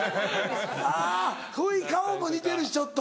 あぁ雰囲気顔も似てるしちょっと。